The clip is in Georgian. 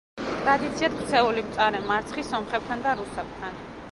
ტრადიციად ქცეული მწარე მარცხი სომხებთან და რუსებთან.